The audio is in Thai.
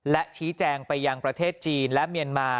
และชี้แจงไปยังประเทศจีนและเมียนมา